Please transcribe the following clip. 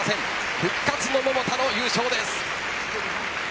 復活を待つ桃田の優勝です。